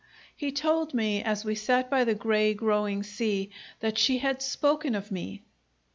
He told me, as we sat by the grey growing sea, that she had spoken of me.